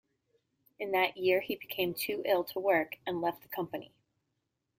In that year he became too ill to work and left the company.